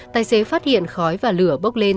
tài xế phát hiện khói và lửa bốc lên